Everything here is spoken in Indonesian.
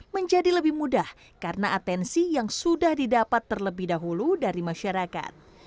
menjadi lebih mudah karena atensi yang sudah didapat terlebih dahulu dari masyarakat